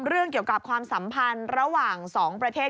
เรื่องเกี่ยวกับความสัมพันธ์ระหว่าง๒ประเทศ